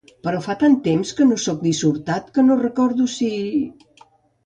Però fa tant temps que no sóc dissortat que no recordo si…